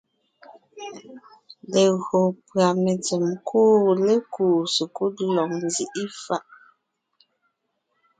Legÿo pʉ́a mentsèm kuʼu lékúu sekúd lɔg nzíʼi fàʼ,